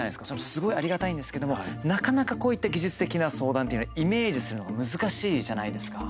すごいありがたいんですけれどもなかなかこういった技術的な相談っていうのはイメージするのが難しいじゃないですか。